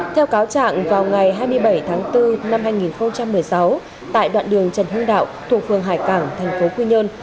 theo cáo trạng vào ngày hai mươi bảy tháng bốn năm hai nghìn một mươi sáu tại đoạn đường trần hưng đạo thuộc phường hải cảng thành phố quy nhơn